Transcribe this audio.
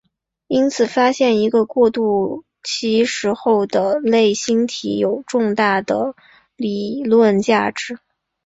因此发现一个过渡期时候的类星体有重大的理论价值。